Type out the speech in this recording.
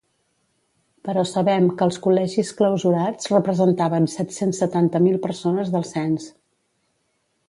Però sabem que els col·legis clausurats representaven set-cents setanta mil persones del cens.